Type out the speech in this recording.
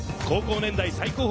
高校年代